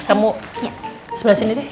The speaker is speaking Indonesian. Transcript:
kamu sebelah sini deh